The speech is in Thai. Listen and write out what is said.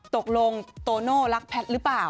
ตกลงโตโน่รักแพทย์หรือเปล่า